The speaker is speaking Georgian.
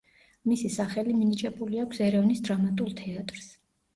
მისი სახელი მინიჭებული აქვს ერევნის დრამატულ თეატრს.